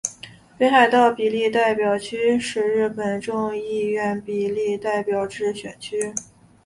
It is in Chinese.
北海道比例代表区是日本众议院比例代表制选区。